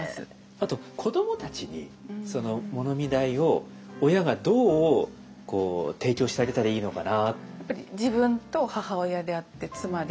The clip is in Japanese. あと子どもたちに物見台を親がどう提供してあげたらいいのかな。